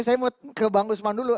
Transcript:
saya mau ke bang usman dulu